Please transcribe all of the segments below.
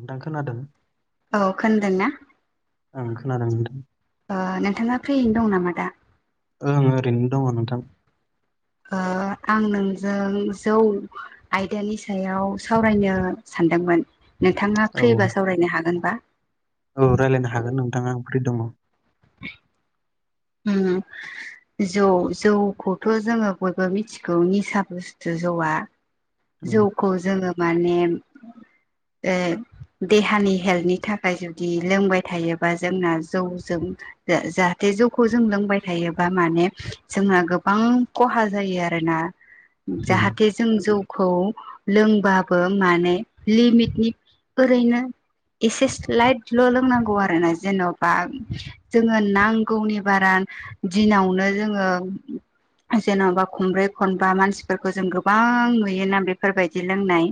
नोंथां खोनादों औ खोनदों ना? ओं खोनादों नोंथां ओ नोंथांङा फ्रियैनो दं नामा दा? ओं ओरैनो दंङ नोंथां ओ आं नोंजों जौ आयदानि सायाव सावरायनो सान दोंमोन नोंथांङा फ्रिबा औ सावरायनो हागोनबा? औ रायज्लायनो हागोन नोंथांङा आं फ्रि दंङ [inaudible] उम उम जौ जौखौथ' जोंङो बयबो मिथिगौ निसा बुस्थु जौआ उम जौखौ जोंङो माने ओ देहानि हेल्थनि थाखाय जुदि लोंबाय थायोबा जोंना जौ जों जो जाहाथे जौखौ जों लोंबाय थायोबा माने जोंना गोबां खहा जायो। आरोना उम जाहाथे जों जौ खौ लोंबाबो माने लिमिटनि ओरैनो एसे स्लाइटल' लोंनांगौ आरो ना जेन'बा जोंङो नांगौनि बारा दिनावनो जोंङो जेन'बा खनब्रै खनबा मानसिफोरखौ जों गोबां नुयो बिना बेफोरबायदि लोंनाय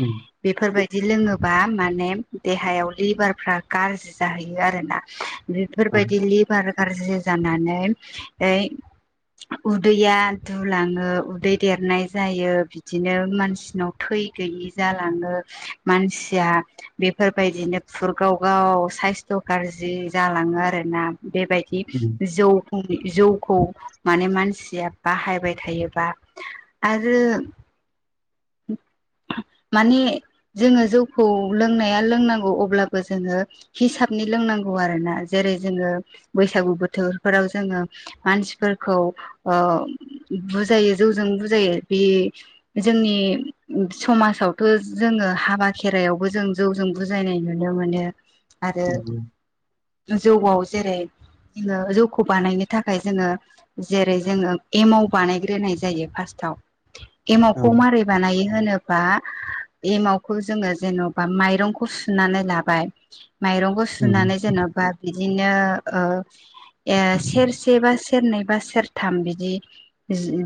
उम बेफोरबायदि बिदि लोंङोबा माने देहायाव लिभारफ्रा गाज्रि जाहैयो आरो ना औ बेफोरबायदि लिभार गाज्रि जानानै नै उदैया दुलांङो उदै देरनाय जायो बिदिनो मानसिनाव थै गैयि जालांङो मानसिया बेफोरबायदिनो पुर गाव गाव साइस्थ' गाज्रि जालांङो आरोना बेबायदि उम जौ-जौखौ माने मानसिया बाहायबाय थायोबा आरो औ माने जोंङो जौखौ लोंनाया लोंनांगौ अब्लाबो जोंङो हिसाब नि लोंनांगौ आरो ना जेरै जोंङो बैसागु बोथोरफोराव जोंङो मानसिफोरखौ ओ बुजायो जौजों बुजायो बे जोंनि समाजावथ' जोंङो हाबा खेराइायावबो जों जौजों बुजायनाय मोनो मोनो आरो नंगौ जौआव जेरै जोंङो जौखौ बानायनो थाखाय जोंङो जेरै जोंङो एमाव बानायग्रोनाय जायो फार्स्टाव औ एमावखौ मारै बानायो होनोबा एमावखौ जोंङो जेन'बा माइरंखौ सुनानै लाबाय माइरंखौ उम सुनानै जेन'बा बिदिनो ओ सेरसे बा सेरनै बा सेरथाम बिदि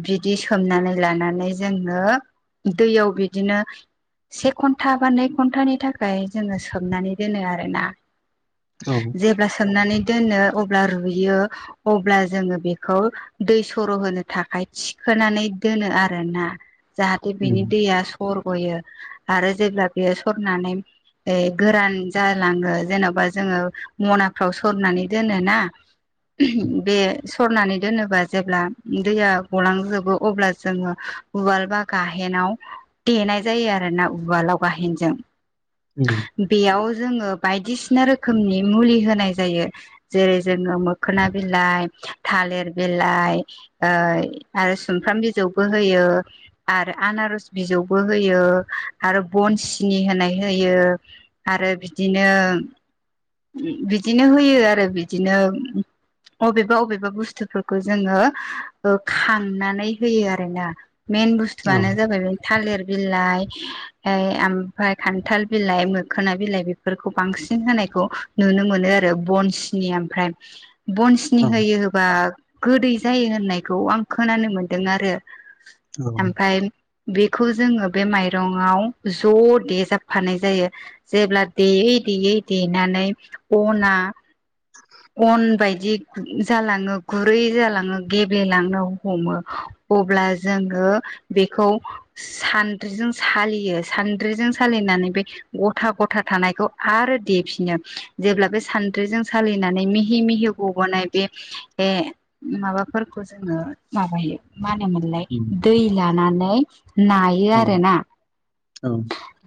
बिदि सोमनानै लानानै जोंङो दैयाव बिदिनो से घन्टा बा नै घन्टानि थाखाय जोंङो सोमनानै दोनो आरोना औ जेब्ला सोमनानै दोनो अब्ला रुयो अब्ला जोङो बेखौ दै सर' होनो थाखाय थिखोयो थिखोनानै दोनो आरो ना जाहाथे उम बिनि दैया सरग'यो आरो जेब्ला बेयो सरनानै ए गोरान जालाङो। जेन'बा जोङो मनाफ्राव सरनानै दोनोना। उम बे सरनानै दोनोबा जेब्ला दैया गलांजोबो अब्ला जोङो। उवाल बा गाहेनाव देनाय जायो आरो ना उवालाव गाहेनजों। उम बेयाव जोङो बायदिसिना रोखोमनि मुलि होनाय जायो जेरै जोङो मोखोना बिलाइ। थालिर बिलाइ आरो सुमफ्राम बिजौबो होयो। आरो आनारस बिजौबो होयो आरो बनसिनि होनाय होयो। आरो बिदिनो बिदिनो होयो। आरो बिदिनो अबेबा अबेबा बुस्थुफोरखौ जोङो खांनानै होयो आरोना। मेइन औ बुस्थुआनो जाबाय बे थालिर बिलाइ ओ ओमफफ्राय खान्थाल बिलाइ मोखोना बिलाइ बेफोरखौ बांसिन होनायखौ नुनो मोनो आरो। आरो बन्सनि ओमफ्राय बन्सनि औ होयो होबा गोदै जायो होननायखौ आं खोनानो मोनदों आरो। औ ओमफ्राय बेखौ जोङो बे माइरंआवव ज' देजाबफानाय जायो जेब्ला देयै देयै देैयै देनानै अना अन बायदि जालाङो गुरै जालाङो गेब्लेलांनो हमो। अब्ला जों बेखौ सानद्रिजों सालियो सान्द्रिजों सालिनानै बे गथा गथा थानायखौ आरो देिफिनो जेब्ला बे सान्द्रिजों सालिनानै मिहि मिहि गबोनाय बे माबाफोरखौ जोङो माबायो मा होनो मोनलाय उम दै लानानै नायो औ आरोना। औ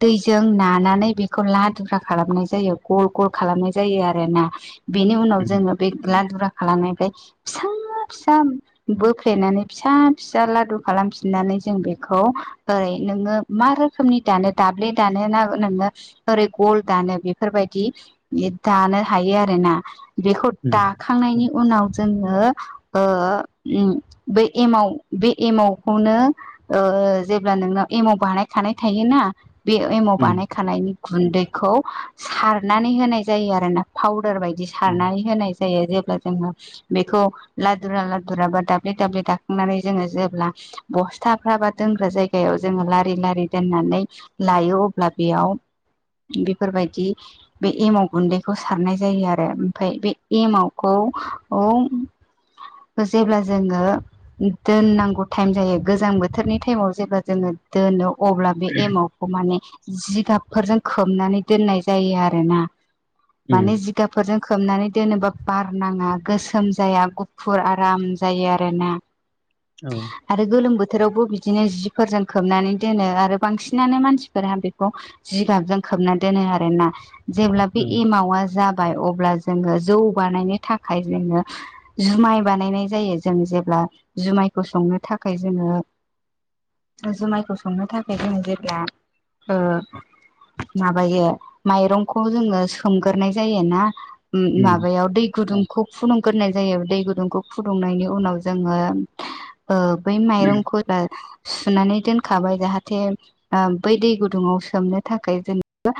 दैजों नानानै बेखौ लादुुरा खालामनाय जायो गल गल खालामनाय जायो आरोना। बेनि उनाव उम जोङो बे लादुरा खालामनायफ्राय फिसा फिसा बोफ्लेनानै फिसा फिसा लादु खालामफिननानै जों बेखौ ओरै नोङो मा रोखोमनि दानो दाब्ले दानो ना ओरै गल दानो बेफोरबायदि दानो हायो आरोना। बेखौ उम दाखांनायनि उनाव जोङो बे एमाव बे एमाव खौनो जेब्ला नोंनाव एमाव बानायखानाय थायोना। बे एमाव उम बानायखानायनि गुन्दैखौ सारनानै होनाय जायो आरो ना पाउदार बायदि बिदि उम सारनानै होनाय जायो जेब्ला। जोङो बेखौ लादुरा लादुरा बा दाब्ले दाब्ले दाखांनानै जोङो बस्थाफ्रा बा दोनग्रा जायगायाव जोङो लारि लारि दोननानै लायो अब्ला बे [inaudible] बेफोरबायदि बे एमाव गुन्दैखौ सारनाय जायो आरो ओमफ्राय बे एमावखौ जेब्ला जोङो दोननांगौखौ टाइम जायो गोजां बोथोरनि टाइमाव जेब्ला जोङो दोनो। अब्ला बे एमावखौ माने जिगाबफोरजों खोबनानै दोननाय जायो आरोना। उम माने जिगाफोरजों खोबनानै दोनोब्ला बार नाङा गोसोम जाया गुफुर आराम जायो आरोना। औ आरो गोलोम बोथोरावबो बिदिनो बिदिनो जिफोरजों खोबनानै दोनो आरो बांसिनानो मानसिफोरा बेखौ जि गाबजों खोबनानै दोनो। आरोना जेब्ला बे एमावा जाबाय। अब्ला जोङो जौ बानायनो थाखाय जोङो जुमाय बानायनाय जायो जों जेब्ला जुमायखौ संनो थाखाय जोङो जुमायखौ संनो थाखाय जों जेब्ला ओ माबायो माइरंखौ जोङो सोमग्रोनाय जायो ना उम माबायाव दै गुदुंखौ फुदुंग्रोनाय जायो दै गुदुंखौ फुदुंनायनि उनाव जोङो [inaudible] ओ बै माइरंखौ सुनानै दोनखाबाय जाहाथे ओ बै दै गुदुंङाव सोमनो थाखाय जेनेबा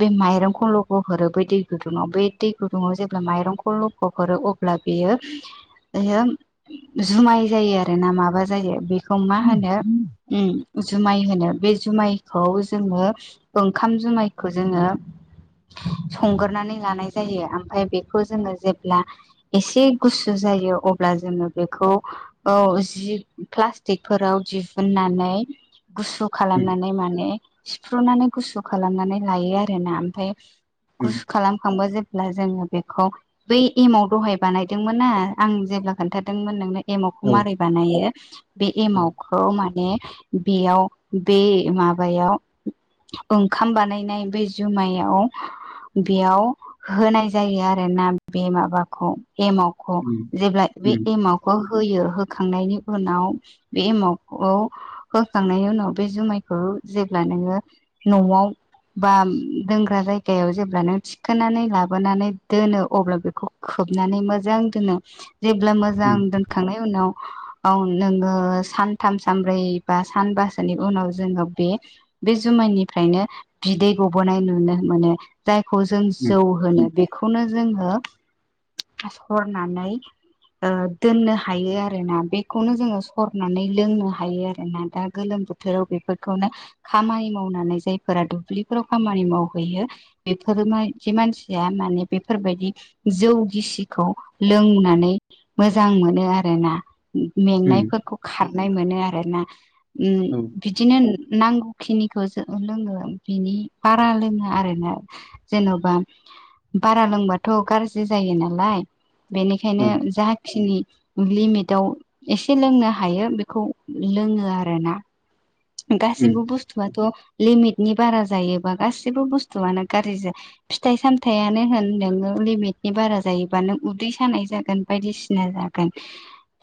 बे माइरंखौ लखब हरो बै दै गुदुङाव बे दै गुदुङाव जेब्ला माइरंखौ लखब' हरो अब्ला बेयो जुमाय जायो आरो ना माबा जायो बेखौ मा होनो उम जुमाय होनो बे जुमायखौ जोङो ओंखाम जुमायखौ जोङो संग्रोनानै लानाय जायो ओमफ्राय बेखौ जोङो जेब्ला एसे गुसु ज जायो अब्ला जोङो बेखौ औ जि प्लास्टिकफोराव दिहुननानै गुसु खालामनानै माने सिफ्रुनानै गुसु खालामनानै लायो आरो ना ओमफ्राय उम गुसु खालामखांबा जे ब्ला जोङो बेखौ बै एमाव दहाय बानायदोंमोनना आं जेब्ला खोन्थादोंमोन नोंनो एमावखौ औ मारै बानायो बे औ उम एमावखौ माने बेयाव बे माबायाव ओंखाम बानायनाय बे जुमायाव बेयाव होनाय जायो आरोना बे माबाखौ एमावखौ उम जेब्ला बे उम एमावखौ होयो होखांनायनि उनाव बे एमावखौ होखांनायनि उनाव बे जु मायखौ जेब्ला नोङो न'आव बा दोंग्रा जायगायाव जेब्ला नों थिखोनानै लाबोनानै दोनो अब्ला बेखौ खो खोबनानै मोजां दोनो जेब्ला मोजां दोनखांनायनि उनाव औ नोङो सानथाम-सानब्रै बा सानबासोनि उनाव जोङो बे बे जुमायनिफ्रायनो बिदै गबोनाय नुनो मोनो जाय खौ जों उम जौ होनो बेखौनो जोङो सरनानै ओ दोननो हायो आरो ना बेखौनो जोङो सरनानै लोंनो हायो आरो ना दा गोलोम बोथोराव बेफोरखौनो खामानि मावनानै जायफोरा दुब्लिफोराव खामानि मावहैयो बेफोर बेफोरबायदि मानसिया माने बेफोरबायदि जौ गिसिखौ लोंनानै मोजां मोनो आरोना उम मेंनायफोरखौ खारनाय मोनो आरोना। ओम औ बिदिनो नांगौखिनिखौ ज लोङो बिनि बारा लोङा आरोना जेन'बा बारा लोंबाथ' गाज्रि जायो नालाय बेनिखायनो औ खिनि लिमिटआव एसे लोंनो हायो बेखौ लोङो आरोना गासिबो बुस्थुआथ' लिमिट नि बारा जायोबा गासिबो बुस्थुआनो गाज्रिजा फिथाइ-सामथायानो होन नोङो लिमिट नि बारा जायोबा नों उदै सानाय जागोन बायदिसिना जागोन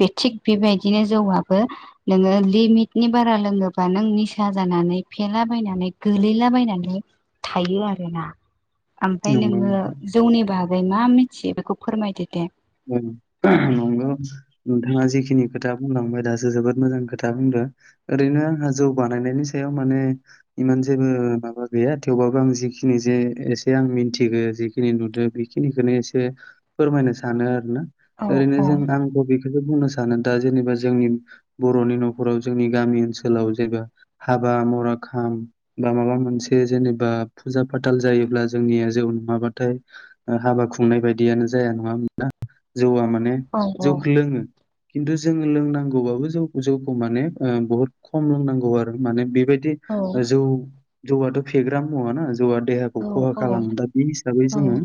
बे थिग बेबायदिनो जों जौवाबो नोङो लिमिटनि बारा लोङो बा नों निसा जानानै फेलाबायनानै गोलैलाबायनानै थायो आरोना ओमफाय उम नोङो नंगौ जौनि बागै मा मिथियो बेखौ फोरमायदो दे? नोंगौ नोंथाङा जिखिनि खोथा बुंलांबाय दासो जोबोद मोजां खोथा बुंदों। ओरैनो आंहा जौ बानायनायनि सायाव माने इमान जेबो माबा गैया थेवबो आं जेखिनि जे एसे आं मिन्थिगो जेखिनि नुदों बेखिनिखौनो एसे फोरमायनो सान सानो आरोना औ ओरैनो औ जों आंबो बे बे बुंनो सानो दा जेनेबा जोंनि बर'नि न'खराव जोंनि गामि ओनसोलाव जेनेबा हाबा बा मरा खाम बा माबा मोनसे जेनेबा फुजा-फाथाल जायोब्ला जोंनिया जावन माबा नाथाय ओ हाबा खुंनाय बायदियानो जाया नङा होम [unintelligible] जौआ माने औ जौखो लोङो। खिन्थु जों लोंनांगौबाबो जौखौ जोखो माने ओह बहुत खम लोंनांगौ आरो माने बे। बेबादि जौ जौआथ फेग्रा मुवाना जौ देहाखौ औ खहा खालामो दा बे हिसाबै जोङो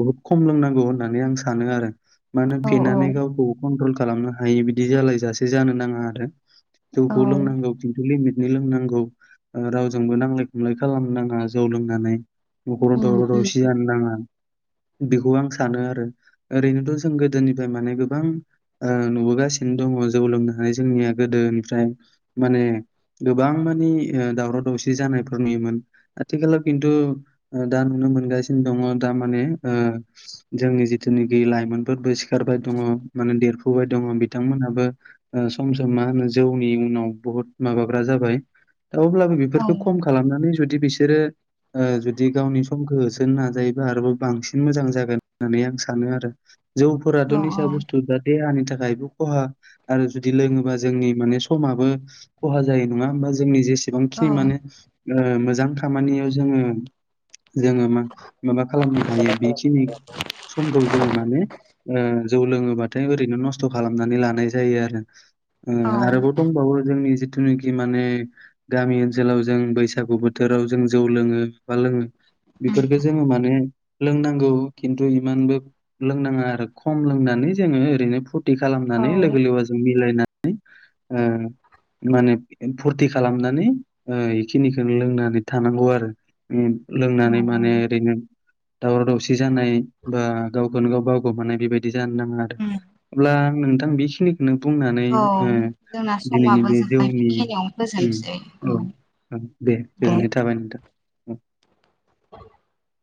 बुहुद खम लोंनांगौ होननानै आं सानोआरो। मानो औ फेनानै गावखौ कन्ट्रल खालामनो हायि बिदि जालायजासे जानोनाङा आरो। जौ औ खौ लोंनांगौ खिन्थु लिमित नि लोंनांगौ ओह रावजोंबो नांलाय खमलाय खालामनो नाङा जौ लोंनानै। नखराव उम दावराव दावसि उम जानोनाङा बेखौ आं सानोआरो। ओरैनोथ जों गोदोनिफाय माने ओह गोबां नुबोगासिनो दङ जौ लोंनो होनाय जोंनिया गोदो। ओनफ्राय माने गोबां मानि ओह दावराव दावसि जानायफोनि मान आथि खालाव खिन्थु ओह दा नुनो मोनगासिनो दङ दा माने ओह जोंनि जिथ जिथुनोखि लाइमोनफोरबो सिखारबायदङ माने देरफुबायदङ बिथांमोनहाबो ओह सम सम मा माहोनो जौ नि उनाव बुहुद मावबायग्रा जाबाय दा अब्लाबो औ बेफोरखो खम खालामनानै जद दि बिसोरो। ओह जुदि गावनि समखो होसोनो नाजायोबा आरोबाव बांसिन मोजां जागोन होननानै आं सा सानोआरो जौफोराथ औ निसा बुसथु दा देहानि था खायबो खहा आरो जुदि लोङोबा जोंनि माने समाबो खहाजायो नङा होमबा जोंनि जे सि सेबांखिनि माने ओह मोजां खामानियाव जोङो। जोङो मा माबाखालामनो हायो बेखिनि समखौ जोङो माने। ओह जौ लोङोबाथाय ओरैनो नस्थ खालामनानै लानाय जायोआरो। औ ओह आरोबाव दंबावो जोंनि जिद। थुनोखि माने गामि ओनसोलाव जों बैसागु बोथोराव जों जौ लोङो बा लोङो। बेफोरफोरखो जोङो माने लोंनांगौ खिन्थु इ। मानबो लोंनाङा आरो खम लोंनानै जोङो ओरैनो फुद। ति औ खालामनानै लोगो लेवाजों मिलायनानै ओ। माने फुरति खालामनानै ओह इखिनिखोनो लोंनानै थानांगौआरो उम। लोंनानै माने ओरैनो दावराउ दावसि जानाय। बा गावखोनो गाव बावगोमानाय बेबायदि जानो नाङाआरो अब्लां नोंथां बेखिनि नों बुंनानै औ ओह जोंना दिनैनि समाबो बे जोब्बाय जौनि बेखिनियावनो उम फोजोबसै औ। ओं दे गोजोननाय थाबाय नोंथां औ। [inaudible]